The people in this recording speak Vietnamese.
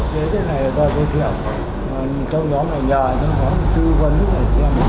thế thế này là do giới thiệu cho nhóm này nhờ nhóm có tư vấn để xem